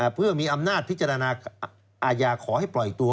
เพื่อมีอำนาจพิจารณาอาญาขอให้ปล่อยตัว